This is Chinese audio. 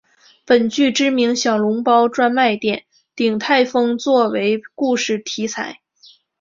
本剧知名小笼包专卖店鼎泰丰做为故事题材。